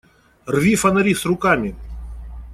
Рви фонари с руками!